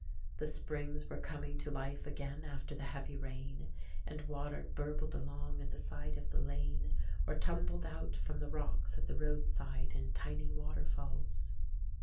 The springs were coming to life again, after the heavy rain, and water burbled along at the side of the lane, or tumbled out from the rocks at the roadside in tiny waterfalls.